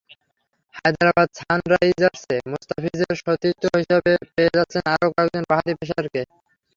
হায়দরাবাদ সানরাইজার্সে মুস্তাফিজ সতীর্থ হিসেবে পেয়ে যাচ্ছেন আরও কয়েকজন বাঁহাতি পেসারকে।